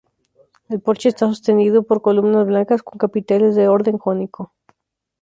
El porche está sostenido por columnas blancas con capiteles de orden jónico.